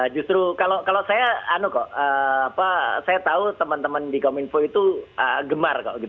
justru kalau saya tahu teman teman di kominfo itu gemar